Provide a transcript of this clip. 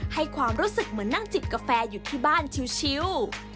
ให้ความรู้สึกเหมือนนั่งจิบกาแฟอยู่ที่บ้านชิว